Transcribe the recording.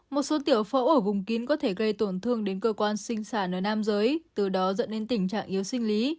một số tiểu phẫu ở vùng kín có thể gây tổn thương đến cơ quan sinh sản ở nam giới từ đó dẫn đến tình trạng yếu sinh lý